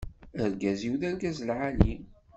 Argaz-iw d argaz lɛali.